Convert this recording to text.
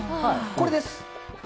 これです。